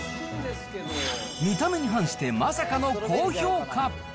見た目に反してまさかの高評価。